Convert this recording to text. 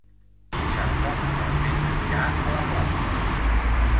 Dissabte na Farners anirà a la platja.